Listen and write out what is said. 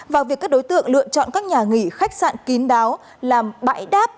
vào việc các đối tượng lựa chọn các nhà nghỉ khách sạn kín đáo làm bãi đáp